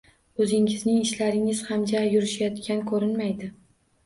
O`zingizning ishlaringiz ham ja yurishayotgan ko`rinmaydi